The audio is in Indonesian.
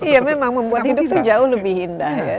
iya memang membuat hidup itu jauh lebih indah ya